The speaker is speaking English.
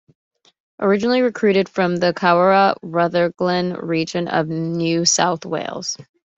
Originally recruited from the Corowa-Rutherglen region of New South Wales.